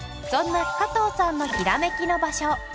そんな加藤さんのヒラメキの場所。